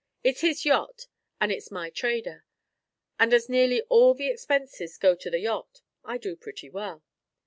It's his yacht and it's my trader; and as nearly all the expenses go to the yacht, I do pretty well.